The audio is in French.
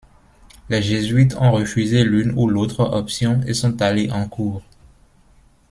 Les jésuites ont refusé l'une ou l'autre option et sont allés en cour.